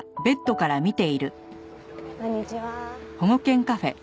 こんにちは。